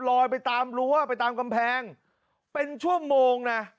ลอยไปตามรั้วไปตามกำแพงเป็นชั่วโมงนะ